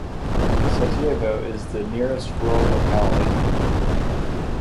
Satyevo is the nearest rural locality.